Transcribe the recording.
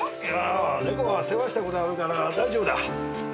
猫は世話したことあるから大丈夫だ。